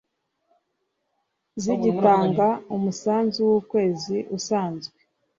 zigitanga umusanzu w’ukwezi usanzwe